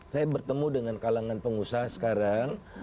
saya bertemu dengan kalangan pengusaha sekarang